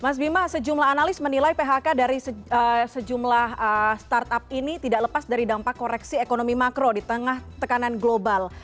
mas bima sejumlah analis menilai phk dari sejumlah startup ini tidak lepas dari dampak koreksi ekonomi makro di tengah tekanan global